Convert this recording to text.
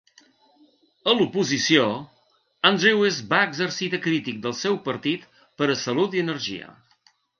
A l'oposició, Andrewes va exercir de crític del seu partit per a Salut i Energia.